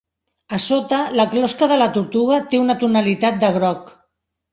A sota, la closca de la tortuga té una tonalitat de groc.